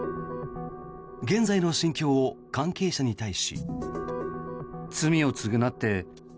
現在の心境を、関係者に対し。